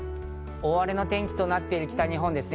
大荒れの天気となっている北日本ですね。